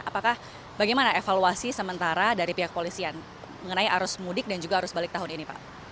apakah bagaimana evaluasi sementara dari pihak polisian mengenai arus mudik dan juga arus balik tahun ini pak